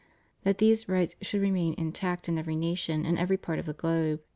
That these rights should re main intact in every nation in every part of the globe.